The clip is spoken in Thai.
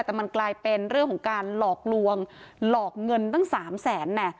แต่มันกลายเป็นเรื่องของการหลอกลวงหลอกเงินตั้ง๓แสน